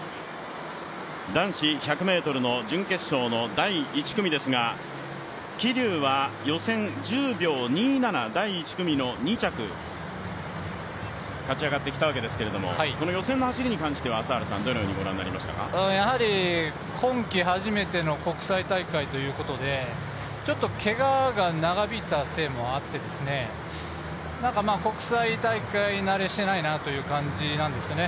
男子１００ｍ準決勝の第１組ですが、桐生は予選１０秒２７、第１組の２着、勝ち上がってきたわけですけれどもこの予選の走りに関してはどのようにご覧になりましたか。やはり今季初めての国際大会ということで、ちょっとけがが長引いたせいもあって、国際大会慣れしていないなという感じなんですね。